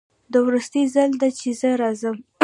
دا وروستی ځل ده چې زه راځم